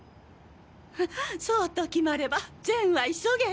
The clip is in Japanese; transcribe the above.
そうと決まれば善は急げ。